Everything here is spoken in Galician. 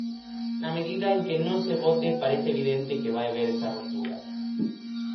Na medida en que non se vote parece evidente que vai haber esa ruptura.